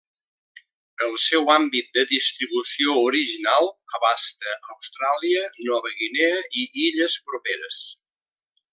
El seu àmbit de distribució original abasta Austràlia, Nova Guinea i illes properes.